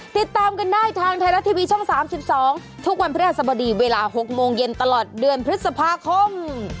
ติดตามกันได้ทางไทยรัฐทีวีช่อง๓๒ทุกวันพระราชบดีเวลา๖โมงเย็นตลอดเดือนพฤษภาคม